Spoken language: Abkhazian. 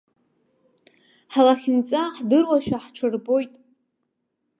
Ҳлахьынҵа ҳдыруашәа ҳҽырбоит.